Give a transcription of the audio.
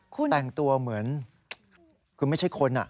คุณแต่งตัวเหมือนคือไม่ใช่คน